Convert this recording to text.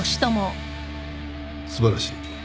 素晴らしい。